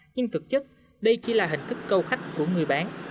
nhưng thực chất đây chỉ là hình thức câu khách của người bán